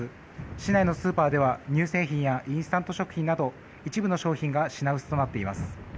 市内のスーパーでは乳製品やインスタント食品など一部の商品が品薄となっています。